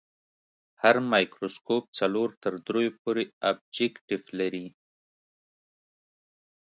هر مایکروسکوپ څلور تر دریو پورې ابجکتیف لري.